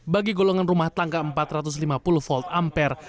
bagi golongan rumah tangga empat ratus lima puluh volt ampere